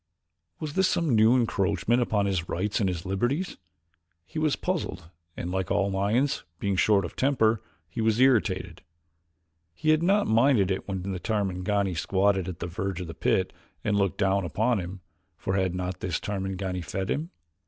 Was this some new encroachment upon his rights and his liberties? He was puzzled and, like all lions, being short of temper, he was irritated. He had not minded it when the Tarmangani squatted upon the verge of the pit and looked down upon him, for had not this Tarmangani fed him?